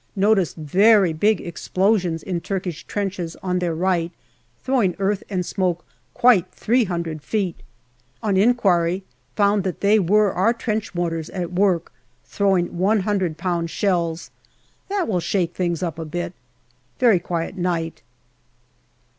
Noticed very big explosions in Turkish trenches on their right, throwing earth and smoke quite 300 feet. On inquiry found that they were our trench mortars at work, throwing 100 Ib. shells. That will shake things up a bit. Very quiet night.